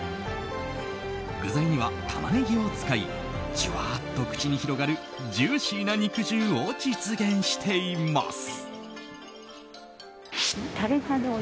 具材にはタマネギを使いジュワーッと口に広がるジューシーな肉汁を実現しています。